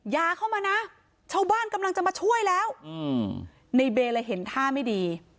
อย่าเข้ามานะชาวบ้านกำลังจะมาช่วยแล้วในเบเลยเห็นท่าไม่ดี